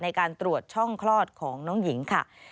ในการตรวจช่องคลอดของน้องหญิงค่ะ